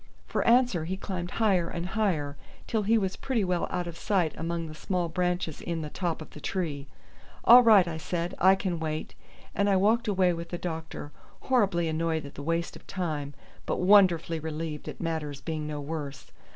For answer he climbed higher and higher till he was pretty well out of sight among the small branches in the top of the tree. "All right!" I said, "I can wait;" and I walked away with the doctor, horribly annoyed at the waste of time, but wonderfully relieved at matters being no worse.